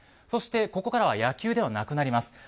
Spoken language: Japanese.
そしてここからは野球ではなくなります。